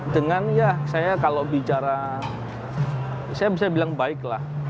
dengan ya saya kalau bicara saya bisa bilang baik lah